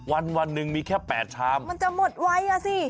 วันวันหนึ่งมีแค่๘ชามมันจะหมดไวอ่ะสิ